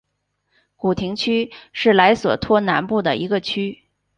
古廷区是莱索托南部的一个区。